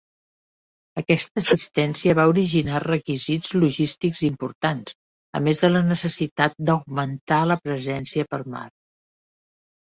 Aquesta assistència va originar requisits logístics importants, a més de la necessitat de augmentar la presència per mar.